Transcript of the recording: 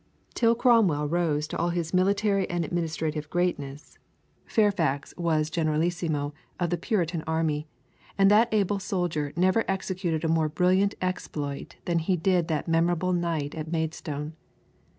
Till Cromwell rose to all his military and administrative greatness, Fairfax was generalissimo of the Puritan army, and that able soldier never executed a more brilliant exploit than he did that memorable night at Maidstone.